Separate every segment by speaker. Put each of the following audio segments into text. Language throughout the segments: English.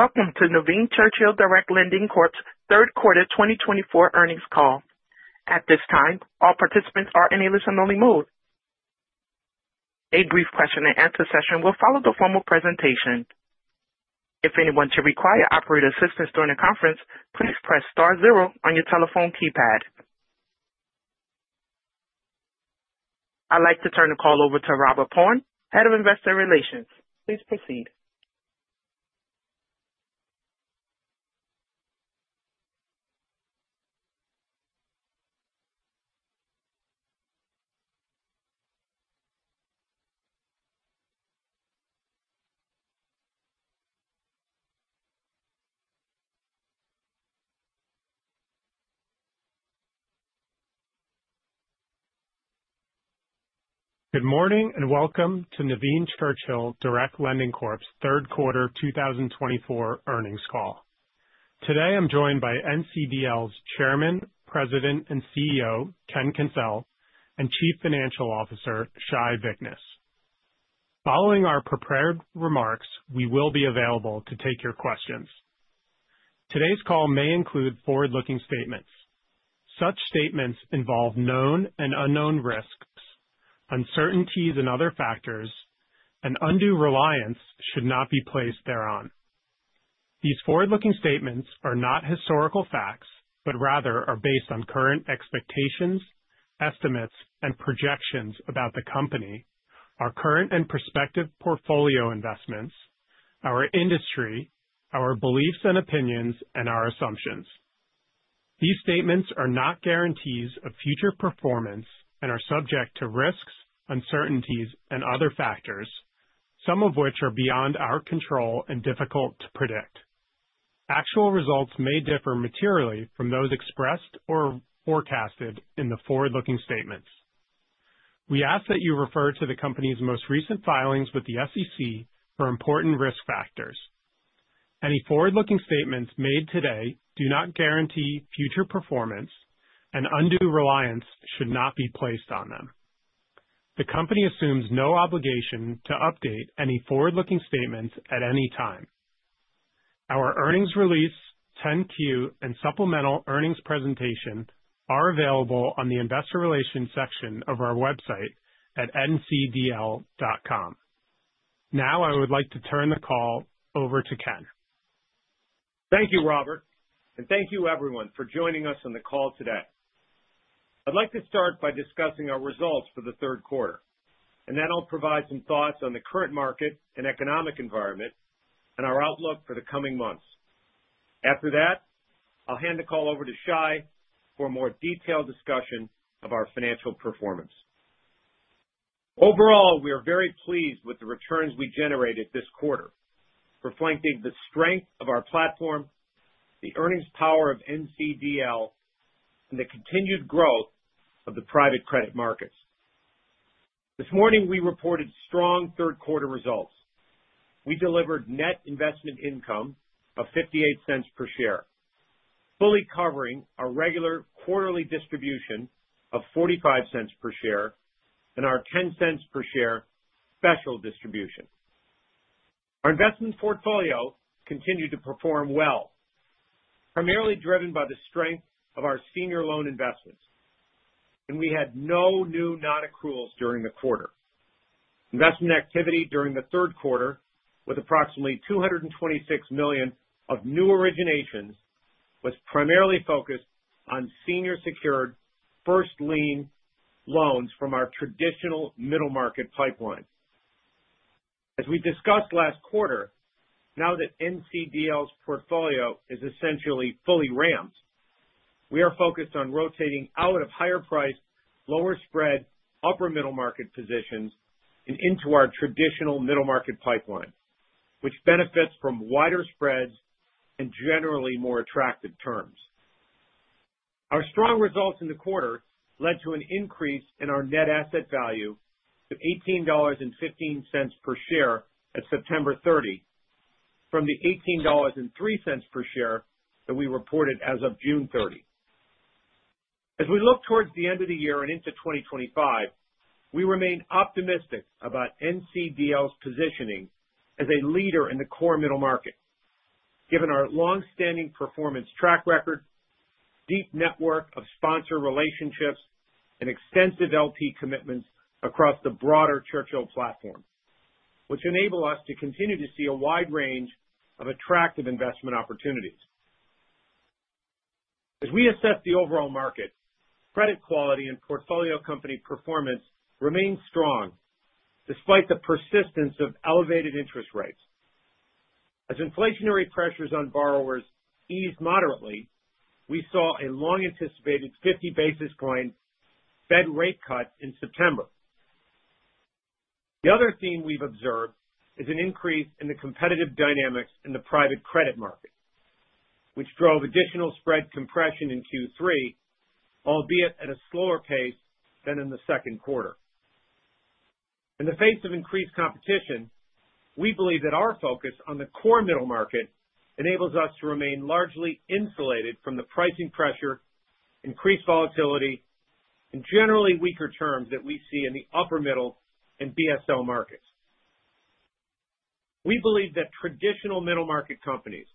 Speaker 1: Welcome to Nuveen Churchill Direct Lending Corp.'s third quarter 2024 earnings call. At this time our participants are on listen-only mode. A brief question and answer session will follow the poll of presentation. If you want to require an operator assistance during the conference, please press star zero on your telephone keypad. I'd like to turn the call over to Robert Paun, Head of Investor Relations. Please proceed.
Speaker 2: Good morning and welcome to Nuveen Churchill Direct Lending Corp's third quarter 2024 earnings call. Today, I'm joined by NCDL's Chairman, President, and CEO, Ken Kencel, and Chief Financial Officer, Shai Vichness. Following our prepared remarks, we will be available to take your questions. Today's call may include forward-looking statements. Such statements involve known and unknown risks, uncertainties, and other factors, and undue reliance should not be placed thereon. These forward-looking statements are not historical facts, but rather are based on current expectations, estimates, and projections about the company, our current and prospective portfolio investments, our industry, our beliefs and opinions, and our assumptions. These statements are not guarantees of future performance and are subject to risks, uncertainties, and other factors, some of which are beyond our control and difficult to predict. Actual results may differ materially from those expressed or forecasted in the forward-looking statements. We ask that you refer to the company's most recent filings with the SEC for important risk factors. Any forward-looking statements made today do not guarantee future performance and undue reliance should not be placed on them. The company assumes no obligation to update any forward-looking statements at any time. Our earnings release, 10-Q, and supplemental earnings presentation are available on the investor relations section of our website at ncdl.com. Now I would like to turn the call over to Ken.
Speaker 3: Thank you, Robert, and thank you everyone for joining us on the call today. I'd like to start by discussing our results for the third quarter, and then I'll provide some thoughts on the current market and economic environment and our outlook for the coming months. After that, I'll hand the call over to Shai for a more detailed discussion of our financial performance. Overall, we are very pleased with the returns we generated this quarter, reflecting the strength of our platform, the earnings power of NCDL, and the continued growth of the private credit markets. This morning we reported strong third quarter results. We delivered net investment income of $0.58 per share, fully covering our regular quarterly distribution of $0.45 per share and our $0.10 per share special distribution. Our investment portfolio continued to perform well, primarily driven by the strength of our senior loan investments. We had no new non-accruals during the quarter. Investment activity during the third quarter, with approximately $226 million of new originations, was primarily focused on senior secured first lien loans from our traditional middle market pipeline. As we discussed last quarter, now that NCDL's portfolio is essentially fully ramped, we are focused on rotating out of higher priced, lower spread upper middle market positions and into our traditional middle market pipeline, which benefits from wider spreads and generally more attractive terms. Our strong results in the quarter led to an increase in our net asset value to $18.15 per share at September 30 from the $18.03 per share that we reported as of June 30. As we look towards the end of the year and into 2025, we remain optimistic about NCDL's positioning as a leader in the core middle market, given our long-standing performance track record, deep network of sponsor relationships, and extensive LP commitments across the broader Churchill platform, which enable us to continue to see a wide range of attractive investment opportunities. As we assess the overall market, credit quality and portfolio company performance remain strong despite the persistence of elevated interest rates. As inflationary pressures on borrowers eased moderately, we saw a long-anticipated 50 basis point Fed rate cut in September. The other theme we've observed is an increase in the competitive dynamics in the private credit market, which drove additional spread compression in Q3, albeit at a slower pace than in the second quarter. In the face of increased competition, we believe that our focus on the core middle market enables us to remain largely insulated from the pricing pressure, increased volatility and generally weaker terms that we see in the upper middle and BSL markets. We believe that traditional middle market companies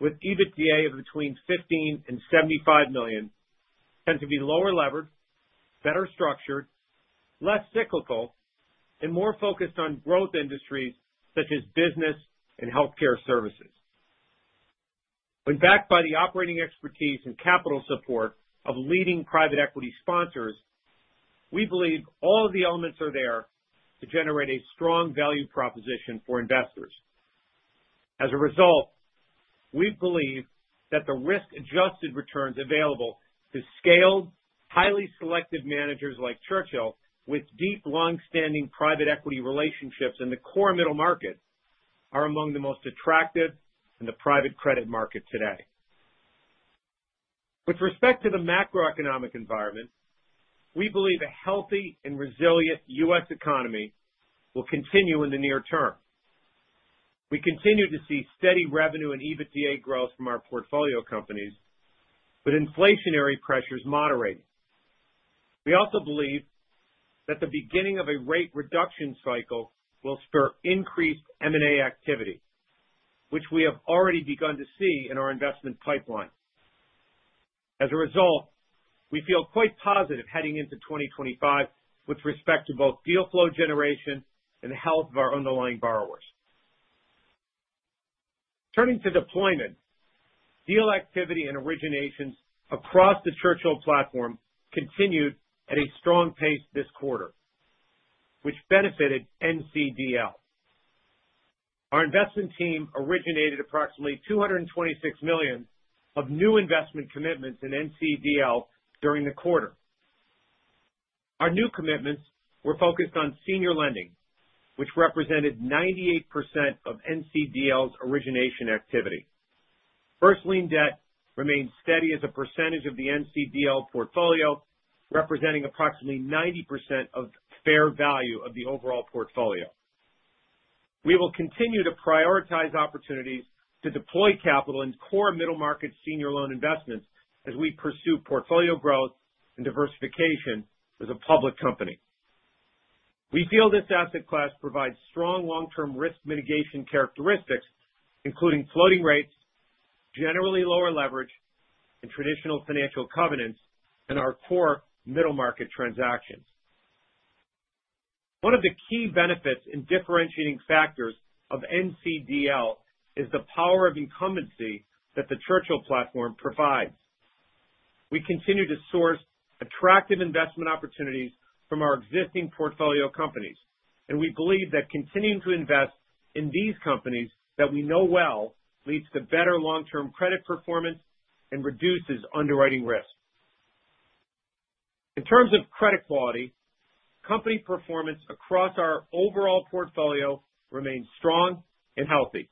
Speaker 3: with EBITDA of between $15 million and $75 million tend to be lower levered, better structured, less cyclical, and more focused on growth industries such as business and healthcare services. When backed by the operating expertise and capital support of leading private equity sponsors, we believe all of the elements are there to generate a strong value proposition for investors. As a result, we believe that the risk-adjusted returns available to scaled, highly selective managers like Churchill with deep, long-standing private equity relationships in the core middle market are among the most attractive in the private credit market today. With respect to the macroeconomic environment, we believe a healthy and resilient U.S. economy will continue in the near term. We continue to see steady revenue and EBITDA growth from our portfolio companies, but inflationary pressures moderating. We also believe that the beginning of a rate reduction cycle will spur increased M&A activity, which we have already begun to see in our investment pipeline. We feel quite positive heading into 2025 with respect to both deal flow generation and the health of our underlying borrowers. Turning to deployment, deal activity and originations across the Churchill platform continued at a strong pace this quarter, which benefited NCDL. Our investment team originated approximately $226 million of new investment commitments in NCDL during the quarter. Our new commitments were focused on senior lending, which represented 98% of NCDL's origination activity. First lien debt remained steady as a percentage of the NCDL portfolio, representing approximately 90% of fair value of the overall portfolio. We will continue to prioritize opportunities to deploy capital in core middle market senior loan investments as we pursue portfolio growth and diversification as a public company. We feel this asset class provides strong long-term risk mitigation characteristics, including floating rates, generally lower leverage, and traditional financial covenants in our core middle market transactions. One of the key benefits in differentiating factors of NCDL is the power of incumbency that the Churchill platform provides. We continue to source attractive investment opportunities from our existing portfolio companies, and we believe that continuing to invest in these companies that we know well leads to better long-term credit performance and reduces underwriting risk. In terms of credit quality, company performance across our overall portfolio remains strong and healthy,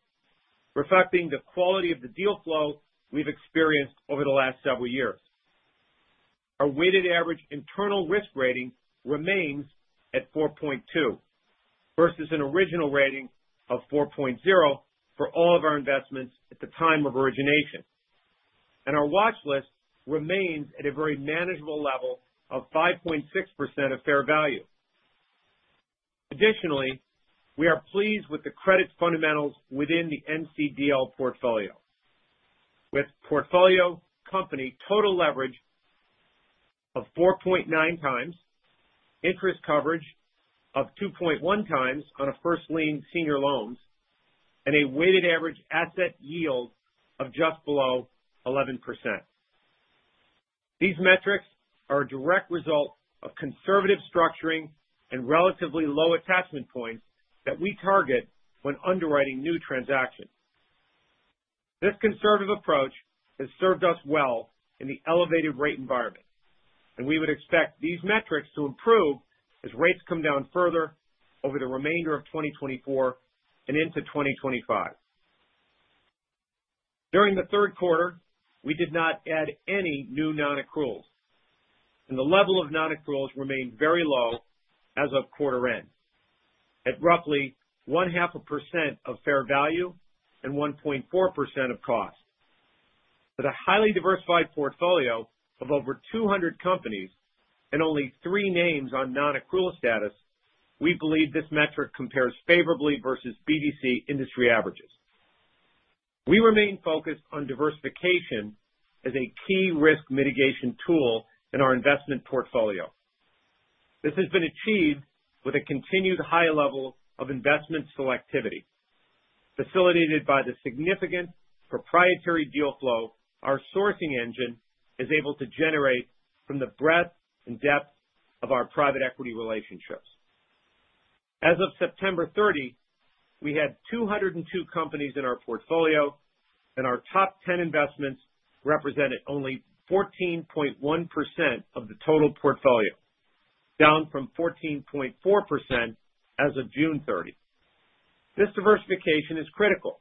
Speaker 3: reflecting the quality of the deal flow we've experienced over the last several years. Our weighted average internal risk rating remains at 4.2 versus an original rating of 4.0 for all of our investments at the time of origination. Our watchlist remains at a very manageable level of 5.6% of fair value. Additionally, we are pleased with the credit fundamentals within the NCDL portfolio. With portfolio company total leverage of 4.9 x, interest coverage of 2.1 x on a first lien senior loans, and a weighted average asset yield of just below 11%. These metrics are a direct result of conservative structuring and relatively low attachment points that we target when underwriting new transactions. This conservative approach has served us well in the elevated rate environment. We would expect these metrics to improve as rates come down further over the remainder of 2024 and into 2025. During the third quarter, we did not add any new non-accruals, and the level of non-accruals remained very low as of quarter end, at roughly 0.5% of fair value and 1.4% of cost. With a highly diversified portfolio of over 200 companies and only three names on non-accrual status, we believe this metric compares favorably versus BDC industry averages. We remain focused on diversification as a key risk mitigation tool in our investment portfolio. This has been achieved with a continued high level of investment selectivity. Facilitated by the significant proprietary deal flow our sourcing engine is able to generate from the breadth and depth of our private equity relationships. As of September 30, we had 202 companies in our portfolio, and our top 10 investments represented only 14.1% of the total portfolio, down from 14.4% as of June 30. This diversification is critical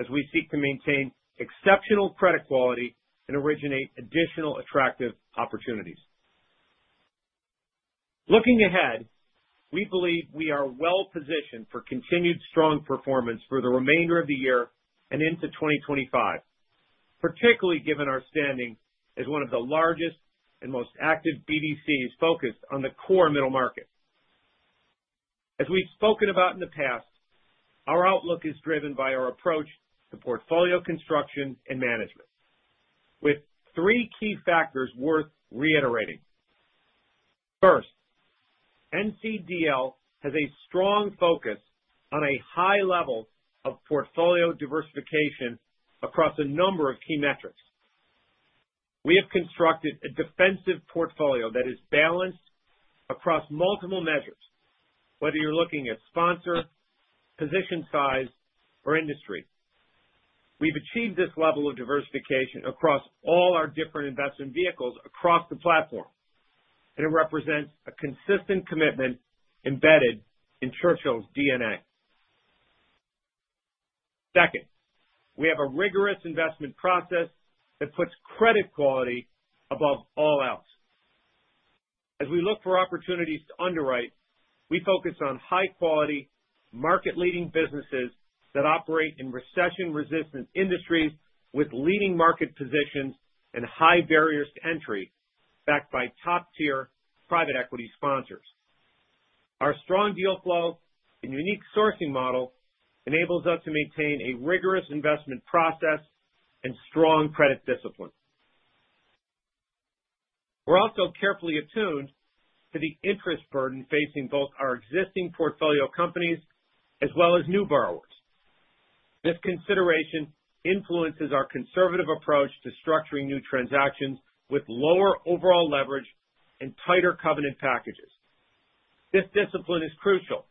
Speaker 3: as we seek to maintain exceptional credit quality and originate additional attractive opportunities. Looking ahead, we believe we are well-positioned for continued strong performance for the remainder of the year and into 2025, particularly given our standing as one of the largest and most active BDCs focused on the core middle market. As we've spoken about in the past, our outlook is driven by our approach to portfolio construction and management, with three key factors worth reiterating. NCDL has a strong focus on a high level of portfolio diversification across a number of key metrics. We have constructed a defensive portfolio that is balanced across multiple measures, whether you're looking at sponsor, position size, or industry. We've achieved this level of diversification across all our different investment vehicles across the platform, and it represents a consistent commitment embedded in Churchill's DNA. We have a rigorous investment process that puts credit quality above all else. As we look for opportunities to underwrite, we focus on high-quality market-leading businesses that operate in recession-resistant industries with leading market positions and high barriers to entry, backed by top-tier private equity sponsors. Our strong deal flow and unique sourcing model enables us to maintain a rigorous investment process and strong credit discipline. We're also carefully attuned to the interest burden facing both our existing portfolio companies as well as new borrowers. This consideration influences our conservative approach to structuring new transactions with lower overall leverage and tighter covenant packages. This discipline is crucial,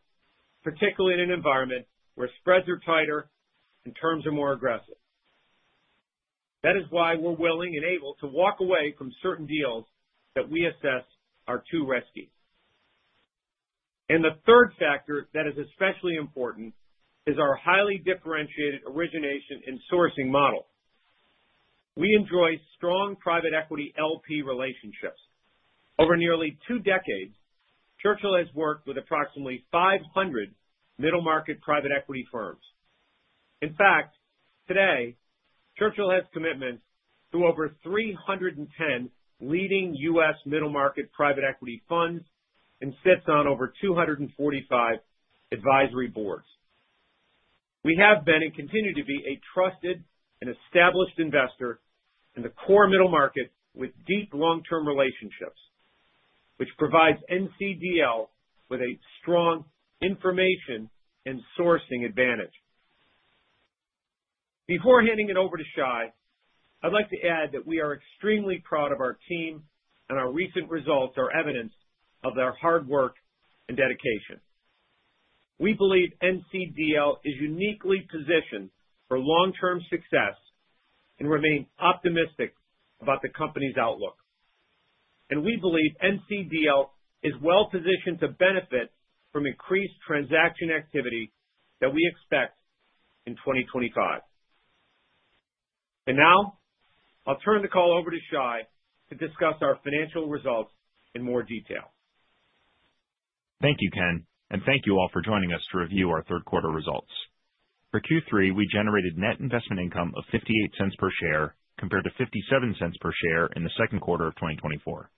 Speaker 3: particularly in an environment where spreads are tighter and terms are more aggressive. That is why we're willing and able to walk away from certain deals that we assess are too risky. The third factor that is especially important is our highly differentiated origination and sourcing model. We enjoy strong private equity LP relationships. Over nearly two decades, Churchill has worked with approximately 500 middle market private equity firms. In fact, today, Churchill has commitments to over 310 leading U.S. middle market private equity funds and sits on over 245 advisory boards. We have been and continue to be a trusted and established investor in the core middle market with deep long-term relationships, which provides NCDL with a strong information and sourcing advantage. Before handing it over to Shai, I'd like to add that we are extremely proud of our team, and our recent results are evidence of their hard work and dedication. We believe NCDL is uniquely positioned for long-term success and remain optimistic about the company's outlook. We believe NCDL is well-positioned to benefit from increased transaction activity that we expect in 2025. Now, I'll turn the call over to Shai to discuss our financial results in more detail.
Speaker 4: Thank you, Ken, and thank you all for joining us to review our third quarter results. For Q3, we generated net investment income of $0.58 per share compared to $0.57 per share in the second quarter of 2024.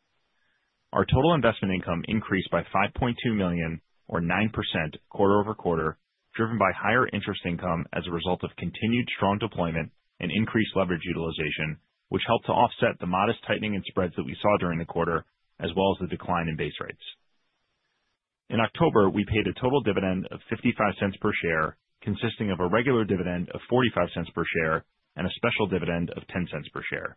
Speaker 4: Our total investment income increased by $5.2 million or 9% quarter-over-quarter, driven by higher interest income as a result of continued strong deployment and increased leverage utilization, which helped to offset the modest tightening in spreads that we saw during the quarter, as well as the decline in base rates. In October, we paid a total dividend of $0.55 per share, consisting of a regular dividend of $0.45 per share and a special dividend of $0.10 per share.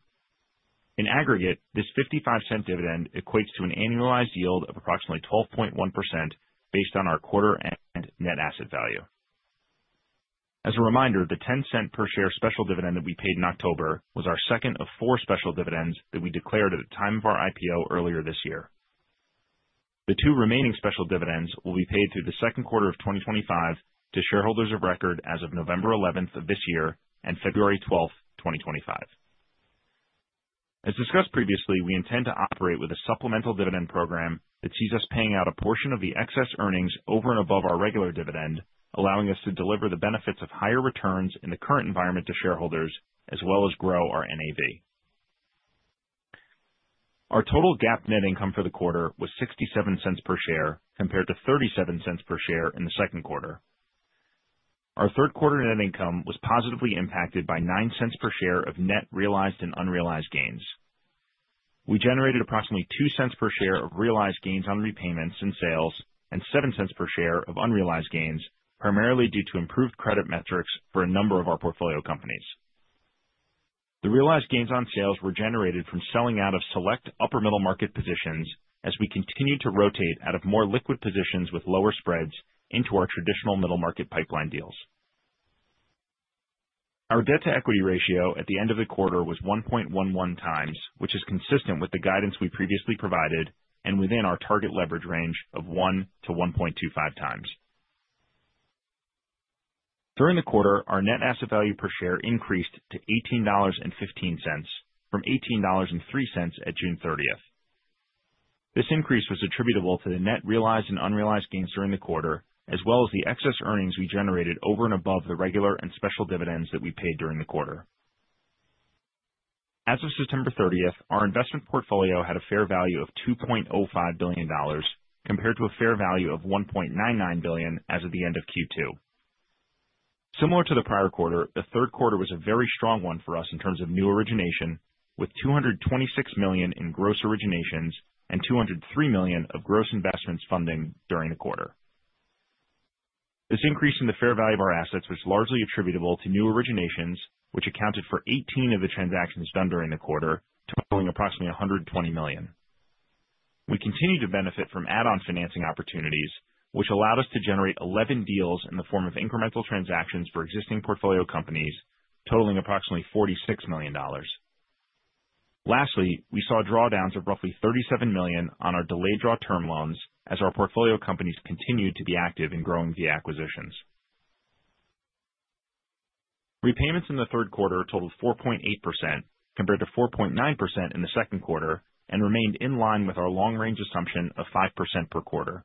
Speaker 4: In aggregate, this $0.55 dividend equates to an annualized yield of approximately 12.1% based on our quarter and net asset value. As a reminder, the $0.10 per share special dividend that we paid in October was our second of four special dividends that we declared at the time of our IPO earlier this year. The two remaining special dividends will be paid through the second quarter of 2025 to shareholders of record as of November 11th of this year and February 12th, 2025. As discussed previously, we intend to operate with a supplemental dividend program that sees us paying out a portion of the excess earnings over and above our regular dividend, allowing us to deliver the benefits of higher returns in the current environment to shareholders as well as grow our NAV. Our total GAAP net income for the quarter was $0.67 per share compared to $0.37 per share in the second quarter. Our third quarter net income was positively impacted by $0.09 per share of net realized and unrealized gains. We generated approximately $0.02 per share of realized gains on repayments and sales, and $0.07 per share of unrealized gains, primarily due to improved credit metrics for a number of our portfolio companies. The realized gains on sales were generated from selling out of select upper middle market positions as we continued to rotate out of more liquid positions with lower spreads into our traditional middle market pipeline deals. Our debt-to-equity ratio at the end of the quarter was 1.11 x, which is consistent with the guidance we previously provided and within our target leverage range of 1-1.25 x. During the quarter, our net asset value per share increased to $18.15 from $18.03 at June 30th. This increase was attributable to the net realized and unrealized gains during the quarter, as well as the excess earnings we generated over and above the regular and special dividends that we paid during the quarter. As of September 30th, our investment portfolio had a fair value of $2.05 billion compared to a fair value of $1.99 billion as of the end of Q2. Similar to the prior quarter, the third quarter was a very strong one for us in terms of new origination, with $226 million in gross originations and $203 million of gross investments funding during the quarter. This increase in the fair value of our assets was largely attributable to new originations, which accounted for 18 of the transactions done during the quarter, totaling approximately $120 million. We continue to benefit from add-on financing opportunities, which allowed us to generate 11 deals in the form of incremental transactions for existing portfolio companies, totaling approximately $46 million. Lastly, we saw drawdowns of roughly $37 million on our delayed draw term loans as our portfolio companies continued to be active in growing the acquisitions. Repayments in the third quarter totaled 4.8% compared to 4.9% in the second quarter, remained in line with our long-range assumption of 5% per quarter.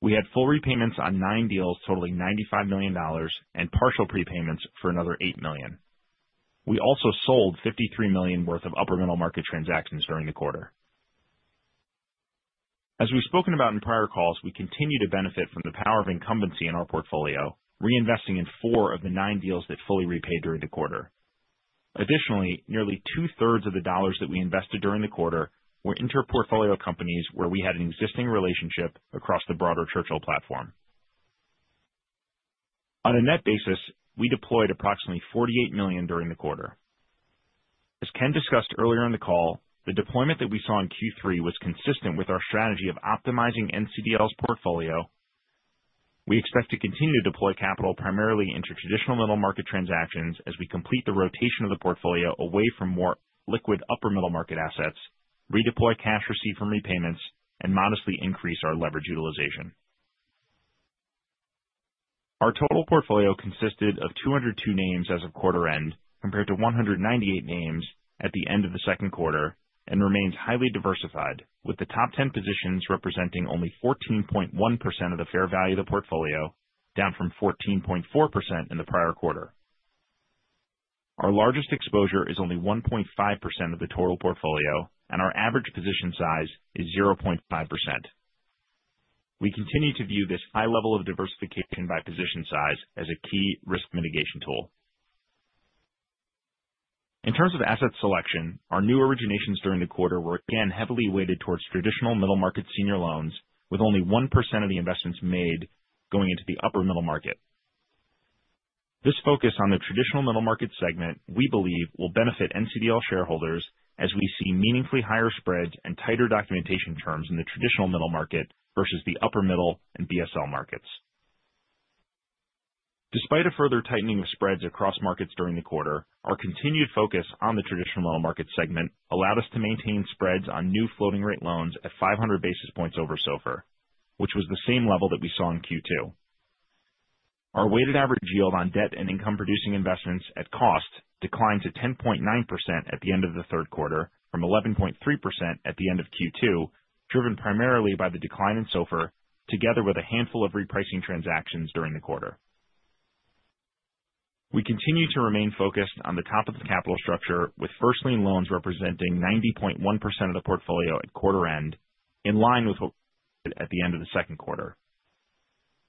Speaker 4: We had full repayments on nine deals totaling $95 million and partial prepayments for another $8 million. We also sold $53 million worth of upper middle market transactions during the quarter. As we've spoken about in prior calls, we continue to benefit from the power of incumbency in our portfolio, reinvesting in four of the nine deals that fully repaid during the quarter. Additionally, nearly 2/3 of the dollars that we invested during the quarter were inter-portfolio companies where we had an existing relationship across the broader Churchill platform. On a net basis, we deployed approximately $48 million during the quarter. As Ken discussed earlier in the call, the deployment that we saw in Q3 was consistent with our strategy of optimizing NCDL's portfolio. We expect to continue to deploy capital primarily into traditional middle market transactions as we complete the rotation of the portfolio away from more liquid upper middle market assets, redeploy cash received from repayments, and modestly increase our leverage utilization. Our total portfolio consisted of 202 names as of quarter end, compared to 198 names at the end of the second quarter, and remains highly diversified, with the top 10 positions representing only 14.1% of the fair value of the portfolio, down from 14.4% in the prior quarter. Our largest exposure is only 1.5% of the total portfolio, and our average position size is 0.5%. We continue to view this high level of diversification by position size as a key risk mitigation tool. In terms of asset selection, our new originations during the quarter were again heavily weighted towards traditional middle market senior loans, with only 1% of the investments made going into the upper middle market. This focus on the traditional middle market segment, we believe, will benefit NCDL shareholders as we see meaningfully higher spreads and tighter documentation terms in the traditional middle market versus the upper middle and BSL markets. Despite a further tightening of spreads across markets during the quarter, our continued focus on the traditional middle market segment allowed us to maintain spreads on new floating rate loans at 500 basis points over SOFR, which was the same level that we saw in Q2. Our weighted average yield on debt and income producing investments at cost declined to 10.9% at the end of the third quarter from 11.3% at the end of Q2, driven primarily by the decline in SOFR together with a handful of repricing transactions during the quarter. We continue to remain focused on the top of the capital structure, with first lien loans representing 90.1% of the portfolio at quarter end, in line with what at the end of the second quarter.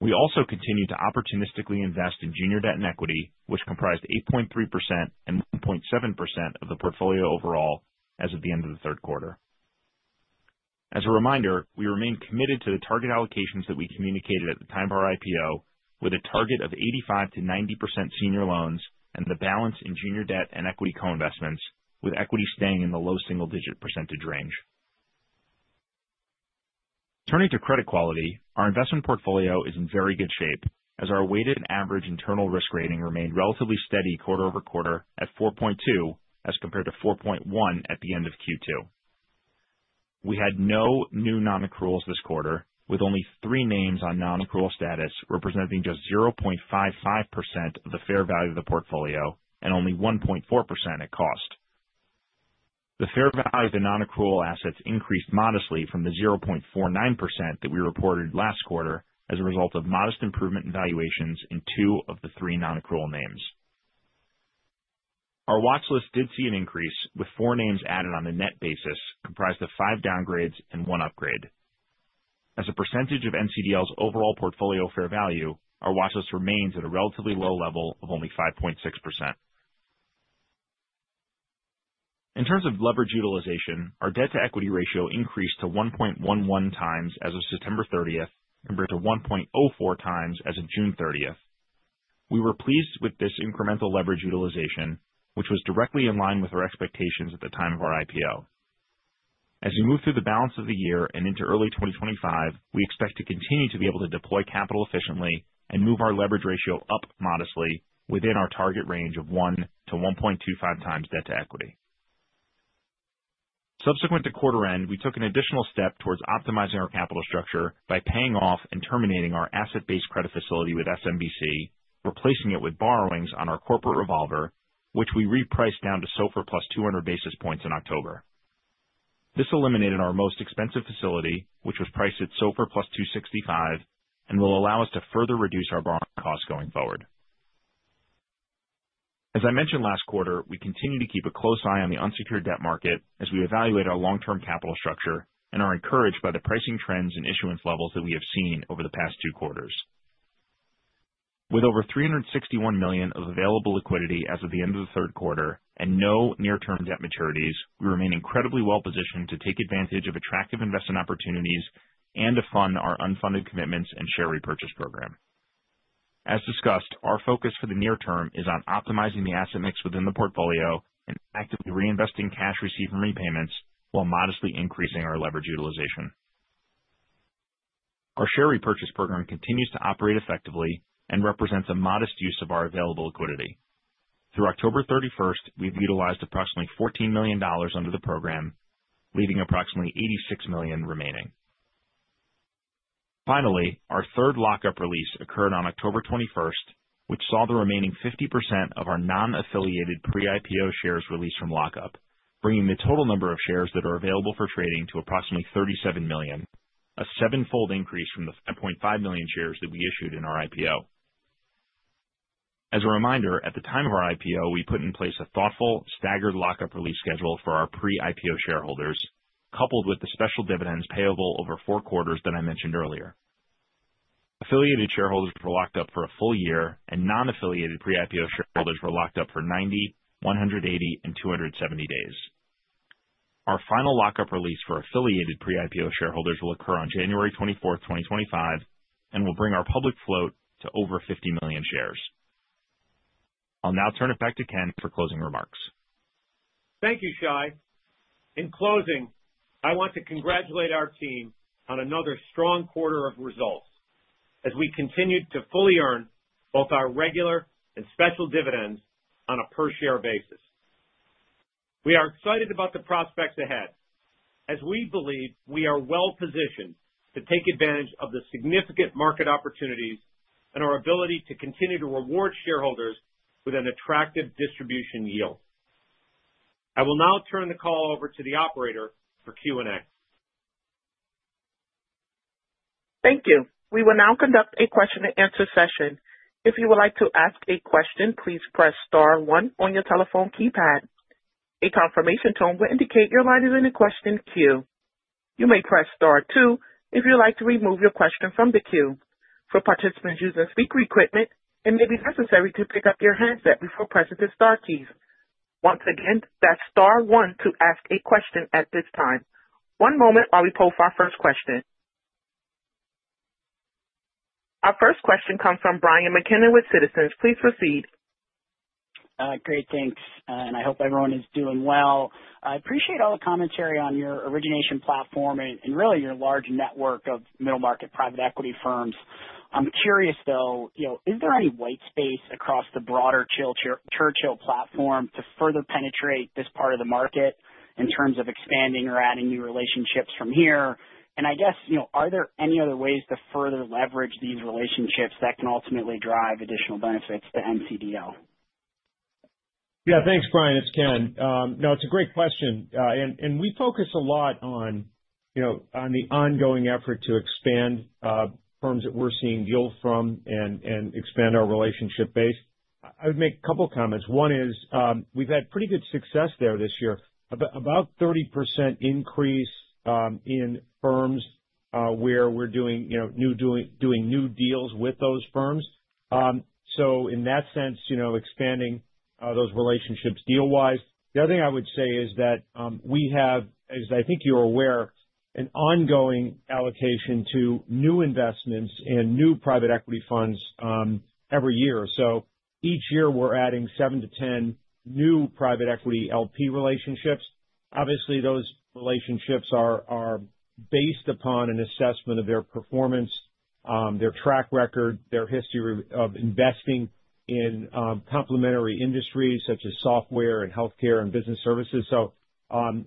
Speaker 4: We also continue to opportunistically invest in junior debt and equity, which comprised 8.3% and 1.7% of the portfolio overall as of the end of the third quarter. As a reminder, we remain committed to the target allocations that we communicated at the time of our IPO with a target of 85%-90% senior loans and the balance in junior debt and equity co-investments, with equity staying in the low single-digit percentage range. Turning to credit quality, our investment portfolio is in very good shape as our weighted average internal risk rating remained relatively steady quarter-over-quarter at 4.2 as compared to 4.1 at the end of Q2. We had no new non-accruals this quarter, with only three names on non-accrual status, representing just 0.55% of the fair value of the portfolio and only 1.4% at cost. The fair value of the non-accrual assets increased modestly from the 0.49% that we reported last quarter as a result of modest improvement in valuations in two of the three non-accrual names. Our watch list did see an increase, with four names added on a net basis comprised of five downgrades and one upgrade. As a percentage of NCDL's overall portfolio fair value, our watch list remains at a relatively low level of only 5.6%. In terms of leverage utilization, our debt-to-equity ratio increased to 1.11 x as of September 30th compared to 1.04 x as of June 30th. We were pleased with this incremental leverage utilization, which was directly in line with our expectations at the time of our IPO. As we move through the balance of the year and into early 2025, we expect to continue to be able to deploy capital efficiently and move our leverage ratio up modestly within our target range of 1-1.25 times debt to equity. Subsequent to quarter end, we took an additional step towards optimizing our capital structure by paying off and terminating our asset-based credit facility with SMBC, replacing it with borrowings on our corporate revolver, which we repriced down to SOFR + 200 basis points in October. This eliminated our most expensive facility, which was priced at SOFR + 265, and will allow us to further reduce our borrowing costs going forward. As I mentioned last quarter, we continue to keep a close eye on the unsecured debt market as we evaluate our long-term capital structure and are encouraged by the pricing trends and issuance levels that we have seen over the past two quarters. With over $361 million of available liquidity as of the end of the third quarter and no near-term debt maturities, we remain incredibly well positioned to take advantage of attractive investment opportunities and to fund our unfunded commitments and share repurchase program. As discussed, our focus for the near term is on optimizing the asset mix within the portfolio and actively reinvesting cash received from repayments while modestly increasing our leverage utilization. Our share repurchase program continues to operate effectively and represents a modest use of our available liquidity. Through October 31st, we've utilized approximately $14 million under the program, leaving approximately $86 million remaining. Finally, our third lockup release occurred on October 21st, which saw the remaining 50% of our non-affiliated pre-IPO shares released from lockup, bringing the total number of shares that are available for trading to approximately 37 million, a sevenfold increase from the 5.5 million shares that we issued in our IPO. As a reminder, at the time of our IPO, we put in place a thoughtful staggered lockup release schedule for our pre-IPO shareholders, coupled with the special dividends payable over four quarters that I mentioned earlier. Affiliated shareholders were locked up for a full year and non-affiliated pre-IPO shareholders were locked up for 90, 180, and 270 days. Our final lockup release for affiliated pre-IPO shareholders will occur on January 24th, 2025, and will bring our public float to over 50 million shares. I'll now turn it back to Ken for closing remarks.
Speaker 3: Thank you, Shai. In closing, I want to congratulate our team on another strong quarter of results as we continued to fully earn both our regular and special dividends on a per share basis. We are excited about the prospects ahead as we believe we are well positioned to take advantage of the significant market opportunities and our ability to continue to reward shareholders with an attractive distribution yield. I will now turn the call over to the operator for Q&A.
Speaker 1: Thank you. We will now conduct a question and answer session. If you would like to ask a question, please press star one on your telephone keypad. A confirmation tone will indicate your line is in the question queue. You may press star two if you'd like to remove your question from the queue. For participants using speaker equipment, it may be necessary to pick up your handset before pressing the star keys. Once again, that's star one to ask a question at this time. One moment while we poll for our first question. Our first question comes from Brian McKenna with Citizens. Please proceed.
Speaker 5: Great. Thanks. I hope everyone is doing well. I appreciate all the commentary on your origination platform and really your large network of middle market private equity firms. I'm curious though, is there any white space across the broader Churchill platform to further penetrate this part of the market in terms of expanding or adding new relationships from here? I guess, are there any other ways to further leverage these relationships that can ultimately drive additional benefits to NCDL?
Speaker 3: Yeah. Thanks, Brian. It's Ken. No, it's a great question. We focus a lot on, you know, on the ongoing effort to expand firms that we're seeing yield from and expand our relationship base. I would make a couple comments. One is, we've had pretty good success there this year. About 30% increase in firms where we're doing, you know, new deals with those firms. In that sense, you know, expanding those relationships deal-wise. The other thing I would say is that we have, as I think you're aware, an ongoing allocation to new investments and new private equity funds every year. Each year, we're adding seven-10 new private equity LP relationships. Obviously, those relationships are based upon an assessment of their performance, their track record, their history of investing in complementary industries such as software and healthcare and business services.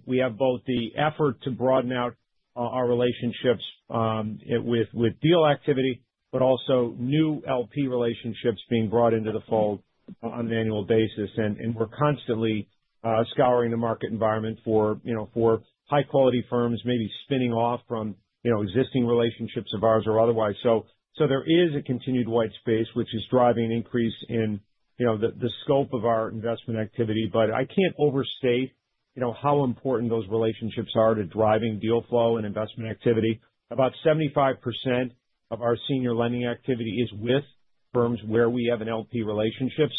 Speaker 3: We have both the effort to broaden out our relationships with deal activity, but also new LP relationships being brought into the fold on an annual basis. We're constantly scouring the market environment for high quality firms maybe spinning off from existing relationships of ours or otherwise. There is a continued white space which is driving an increase in the scope of our investment activity. I can't overstate how important those relationships are to driving deal flow and investment activity. About 75% of our senior lending activity is with firms where we have an LP relationship.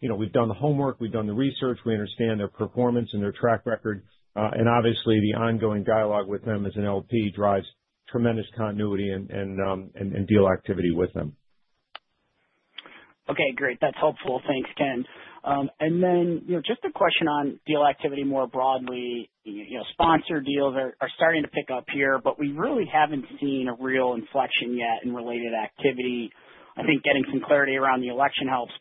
Speaker 3: You know, we've done the homework, we've done the research, we understand their performance and their track record. Obviously, the ongoing dialogue with them as an LP drives tremendous continuity and deal activity with them.
Speaker 5: Okay, great. That's helpful. Thanks, Ken. You know, just a question on deal activity more broadly. You know, sponsor deals are starting to pick up here, but we really haven't seen a real inflection yet in related activity. I think getting some clarity around the election helps.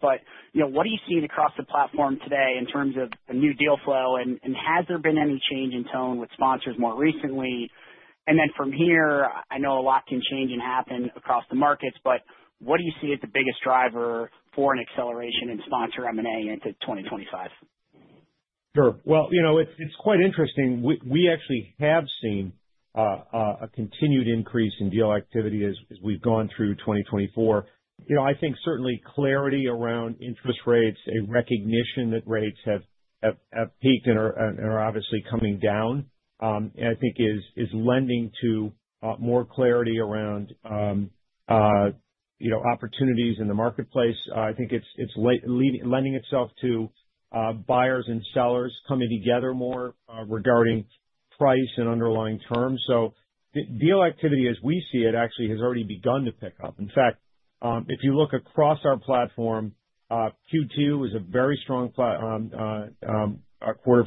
Speaker 5: You know, what are you seeing across the platform today in terms of the new deal flow? Has there been any change in tone with sponsors more recently? From here, I know a lot can change and happen across the markets, but what do you see as the biggest driver for an acceleration in sponsor M&A into 2025?
Speaker 3: Sure. Well, you know, it's quite interesting. We actually have seen a continued increase in deal activity as we've gone through 2024. You know, I think certainly clarity around interest rates, a recognition that rates have peaked and are obviously coming down, I think is lending to more clarity around, you know, opportunities in the marketplace. I think it's lending itself to buyers and sellers coming together more regarding price and underlying terms. Deal activity as we see it actually has already begun to pick up. In fact, if you look across our platform, Q2 was a very strong quarter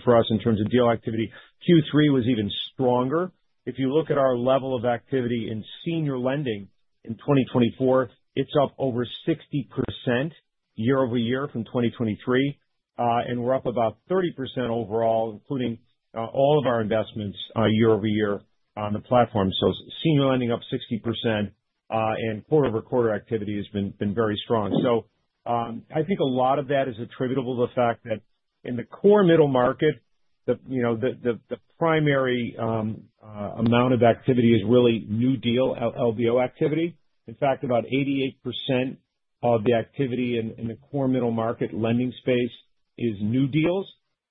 Speaker 3: for us in terms of deal activity. Q3 was even stronger. If you look at our level of activity in senior lending in 2024, it's up over 60% year-over-year from 2023. We're up about 30% overall, including all of our investments, year-over-year on the platform. Senior lending up 60%, and quarter-over-quarter activity has been very strong. I think a lot of that is attributable to the fact that in the core middle market, you know, the primary amount of activity is really new deal LBO activity. In fact, about 88% of the activity in the core middle market lending space is new deals.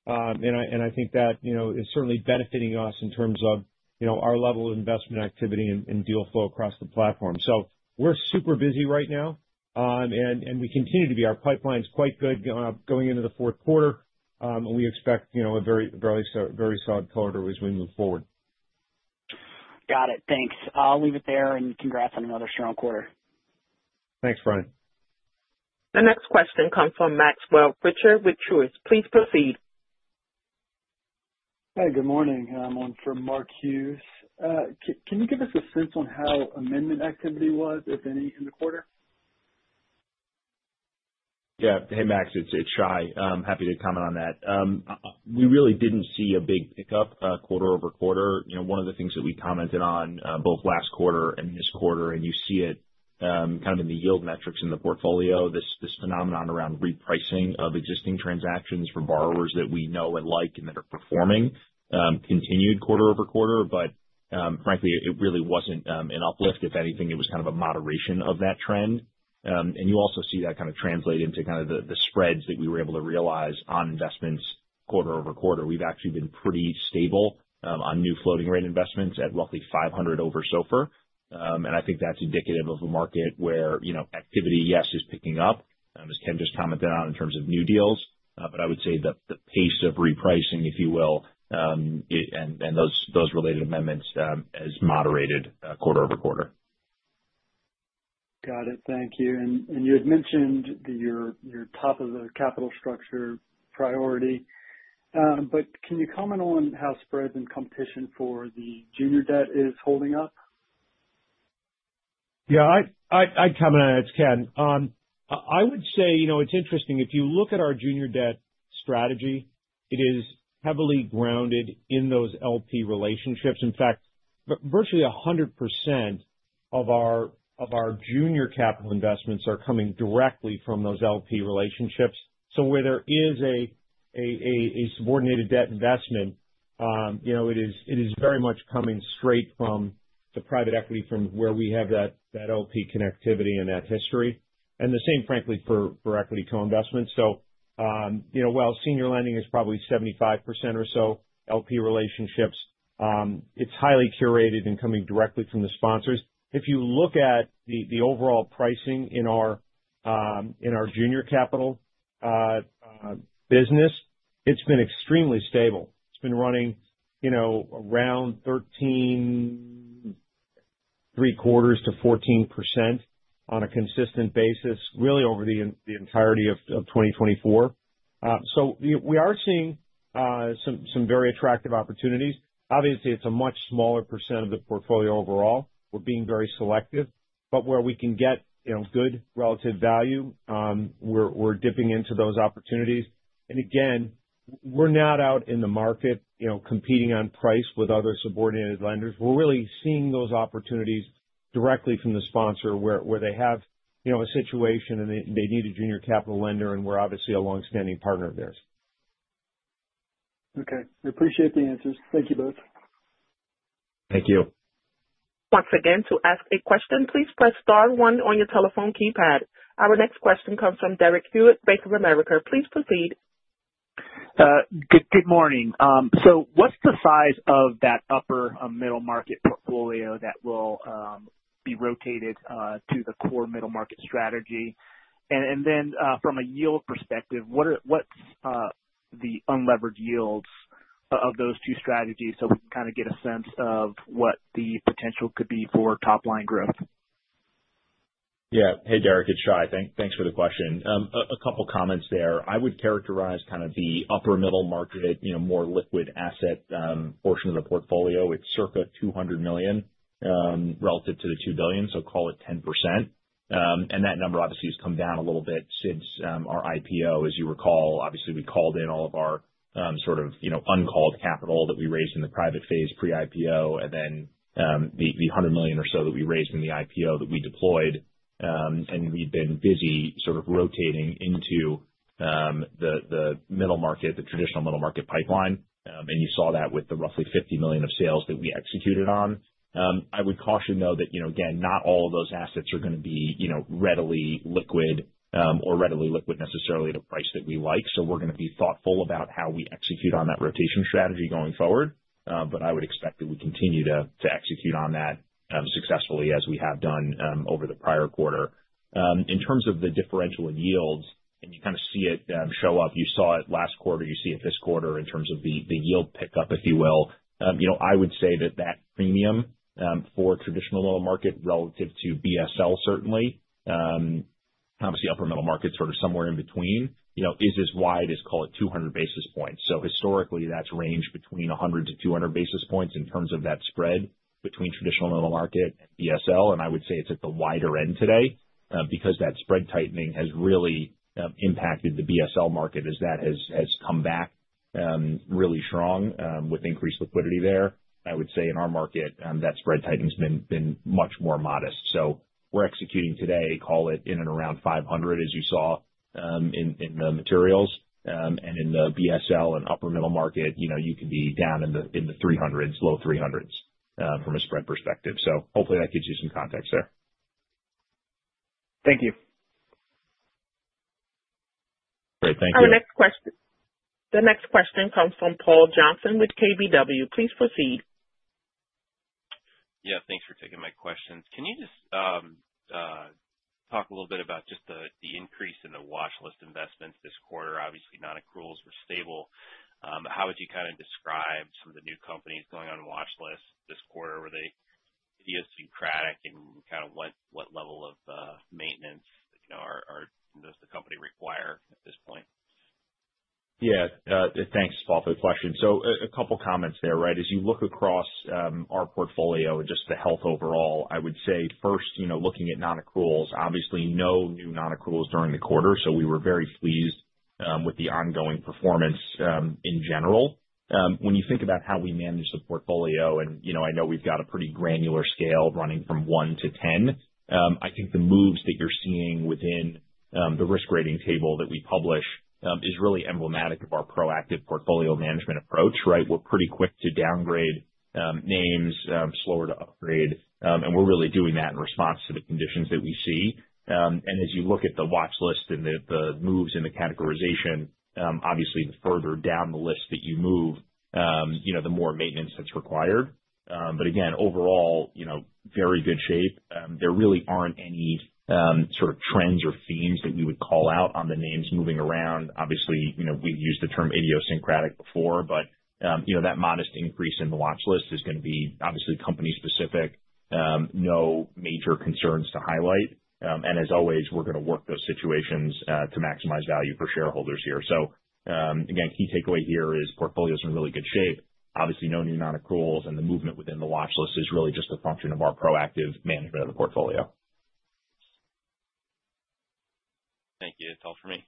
Speaker 3: I think that, you know, is certainly benefiting us in terms of, you know, our level of investment activity and deal flow across the platform. We're super busy right now. We continue to be. Our pipeline's quite good, going into the fourth quarter. We expect, you know, a very, very solid quarter as we move forward.
Speaker 5: Got it. Thanks. I'll leave it there, and congrats on another strong quarter.
Speaker 3: Thanks, Brian.
Speaker 1: The next question comes from Maxwell Fritscher with Truist. Please proceed.
Speaker 6: Hi, good morning. One for Mark Hughes. Can you give us a sense on how amendment activity was, if any, in the quarter?
Speaker 4: Yeah. Hey, Max, it's Shai. Happy to comment on that. We really didn't see a big pickup, quarter-over-quarter. You know, one of the things that we commented on, both last quarter and this quarter, and you see it kind of in the yield metrics in the portfolio, this phenomenon around repricing of existing transactions from borrowers that we know and like and that are performing, continued quarter-over-quarter. Frankly, it really wasn't an uplift. If anything, it was kind of a moderation of that trend. You also see that kind of translate into kind of the spreads that we were able to realize on investments quarter-over-quarter. We've actually been pretty stable on new floating rate investments at roughly 500 over SOFR. I think that's indicative of a market where, you know, activity, yes, is picking up, as Ken just commented on in terms of new deals. I would say the pace of repricing, if you will, and those related amendments, has moderated, quarter-over-quarter.
Speaker 6: Got it. Thank you. You had mentioned your top of the capital structure priority. Can you comment on how spreads and competition for the junior debt is holding up?
Speaker 3: Yeah. I'd comment on it. It's Ken. I would say, you know, it's interesting. If you look at our junior debt strategy, it is heavily grounded in those LP relationships. In fact, virtually 100% of our junior capital investments are coming directly from those LP relationships. Where there is a subordinated debt investment, you know, it is very much coming straight from the private equity from where we have that LP connectivity and that history. The same, frankly, for equity co-investments. You know, while senior lending is probably 75% or so LP relationships, it's highly curated and coming directly from the sponsors. If you look at the overall pricing in our junior capital business, it's been extremely stable. It's been running, you know, around 13.75%-14% on a consistent basis, really over the entirety of 2024. We are seeing some very attractive opportunities. Obviously, it's a much smaller percent of the portfolio overall. We're being very selective. Where we can get, you know, good relative value, we're dipping into those opportunities. Again, we're not out in the market, you know, competing on price with other subordinated lenders. We're really seeing those opportunities directly from the sponsor where they have, you know, a situation and they need a junior capital lender, we're obviously a long-standing partner of theirs.
Speaker 6: Okay. I appreciate the answers. Thank you both.
Speaker 4: Thank you.
Speaker 1: Once again, to ask a question, please press star one on your telephone keypad. Our next question comes from Derek Hewett, Bank of America. Please proceed.
Speaker 7: Good morning. What's the size of that upper middle market portfolio that will be rotated to the core middle market strategy? Then, from a yield perspective, what's the unlevered yields of those two strategies so we can kind of get a sense of what the potential could be for top line growth?
Speaker 4: Yeah. Hey, Derek, it's Shai. Thanks for the question. A couple comments there. I would characterize kind of the upper middle market, you know, more liquid asset portion of the portfolio. It's circa $200 million relative to the $2 billion, so call it 10%. And that number obviously has come down a little bit since our IPO. As you recall, obviously, we called in all of our, sort of, you know, uncalled capital that we raised in the private phase pre-IPO, and then the $100 million or so that we raised in the IPO that we deployed. And we've been busy sort of rotating into the middle market, the traditional middle market pipeline. And you saw that with the roughly $50 million of sales that we executed on. I would caution though that, you know, again, not all of those assets are gonna be, you know, readily liquid or readily liquid necessarily at a price that we like. We're gonna be thoughtful about how we execute on that rotation strategy going forward. I would expect that we continue to execute on that successfully as we have done over the prior quarter. In terms of the differential in yields, you kind of see it show up, you saw it last quarter, you see it this quarter in terms of the yield pickup, if you will. You know, I would say that that premium for traditional middle market relative to BSL certainly, obviously upper middle market sort of somewhere in between, you know, is as wide as, call it, 200 basis points. Historically, that's ranged between 100 basis points-200 basis points in terms of that spread between traditional middle market and BSL. I would say it's at the wider end today because that spread tightening has really impacted the BSL market as that has come back really strong with increased liquidity there. I would say in our market that spread tightening's been much more modest. We're executing today, call it, in and around 500 as you saw in the materials. In the BSL and upper middle market, you know, you can be down in the 300s, low 300s from a spread perspective. Hopefully that gives you some context there.
Speaker 7: Thank you.
Speaker 4: Great. Thank you.
Speaker 1: Our next question comes from Paul Johnson with KBW. Please proceed.
Speaker 8: Thanks for taking my questions. Can you just talk a little bit about just the increase in the watchlist investments this quarter? Obviously, non-accruals were stable. How would you kind of describe some of the new companies going on watchlist this quarter? Were they idiosyncratic, and kind of what level of maintenance, you know, does the company require at this point?
Speaker 4: Thanks, Paul, for the question. A couple comments there, right? As you look across our portfolio, just the health overall, I would say first, you know, looking at non-accruals, obviously no new non-accruals during the quarter, so we were very pleased with the ongoing performance in general. When you think about how we manage the portfolio and, you know, I know we've got a pretty granular scale running from 1-10, I think the moves that you're seeing within the risk rating table that we publish is really emblematic of our proactive portfolio management approach, right? We're pretty quick to downgrade names, slower to upgrade. We're really doing that in response to the conditions that we see. As you look at the watchlist and the moves in the categorization, obviously the further down the list that you move, you know, the more maintenance that's required. Again, overall, you know, very good shape. There really aren't any sort of trends or themes that we would call out on the names moving around. Obviously, you know, we've used the term idiosyncratic before, but, you know, that modest increase in the watchlist is gonna be obviously company specific. No major concerns to highlight. As always, we're gonna work those situations to maximize value for shareholders here. Again, key takeaway here is portfolio's in really good shape. Obviously, no new non-accruals and the movement within the watchlist is really just a function of our proactive management of the portfolio.
Speaker 8: Thank you. That is all for me.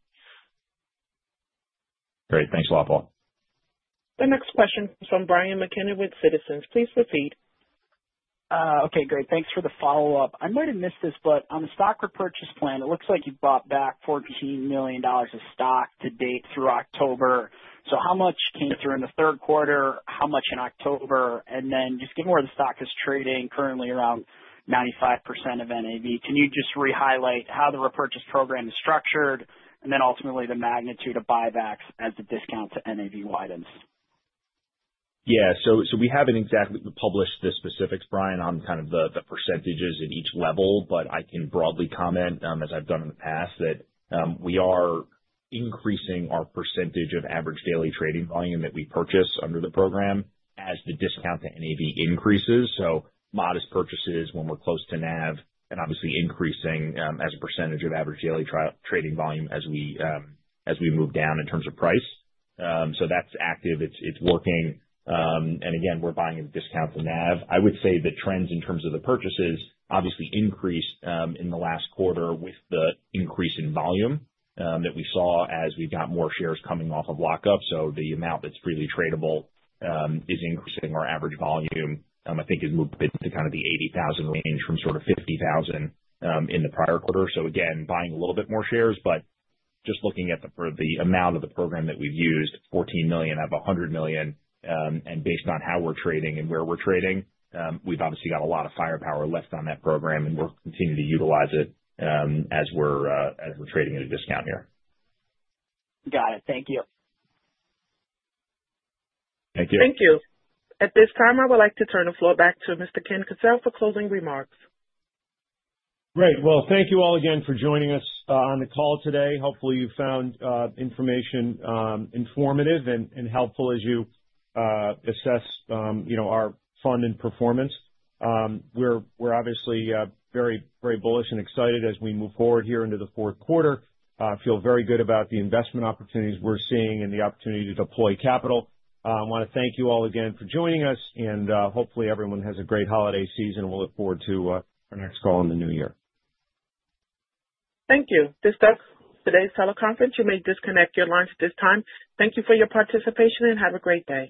Speaker 4: Great. Thanks a lot, Paul.
Speaker 1: The next question is from Brian McKenna with Citizens. Please proceed.
Speaker 5: Okay, great. Thanks for the follow-up. I might have missed this, but on the stock repurchase plan, it looks like you bought back $14 million of stock to date through October. How much came through in the third quarter? How much in October? Given where the stock is trading currently around 95% of NAV, can you just re-highlight how the repurchase program is structured? Ultimately the magnitude of buybacks as the discount to NAV widens.
Speaker 4: We haven't exactly published the specifics, Brian, on kind of the percentages at each level, but I can broadly comment, as I've done in the past, that we are increasing our percentage of average daily trading volume that we purchase under the program as the discount to NAV increases. Modest purchases when we're close to NAV and obviously increasing as a percentage of average daily trading volume as we move down in terms of price. That's active. It's working. Again, we're buying at a discount to NAV. I would say the trends in terms of the purchases obviously increased in the last quarter with the increase in volume that we saw as we've got more shares coming off of lockup. The amount that's freely tradable is increasing our average volume. I think it moved it to kind of the 80,000 range from sort of 50,000 in the prior quarter. Again, buying a little bit more shares, but just looking at the, for the amount of the program that we've used, $14 million out of $100 million. Based on how we're trading and where we're trading, we've obviously got a lot of firepower left on that program, and we'll continue to utilize it as we're trading at a discount here.
Speaker 5: Got it. Thank you.
Speaker 4: Thank you.
Speaker 1: Thank you. At this time, I would like to turn the floor back to Mr. Kenneth Kencel for closing remarks.
Speaker 3: Great. Thank you all again for joining us on the call today. Hopefully you found information informative and helpful as you assess, you know, our fund and performance. We're obviously very bullish and excited as we move forward here into the fourth quarter. Feel very good about the investment opportunities we're seeing and the opportunity to deploy capital. Wanna thank you all again for joining us and hopefully everyone has a great holiday season. We'll look forward to our next call in the new year.
Speaker 1: Thank you. This concludes today's teleconference. You may disconnect your lines at this time. Thank you for your participation, and have a great day.